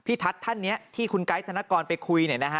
ทัศน์ท่านนี้ที่คุณไกด์ธนกรไปคุย